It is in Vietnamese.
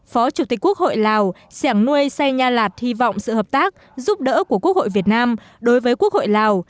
phó chủ tịch quốc hội lào sẻng nuôi sai nha lạt hy vọng sự hợp tác giúp đỡ của quốc hội việt nam đối với quốc hội lào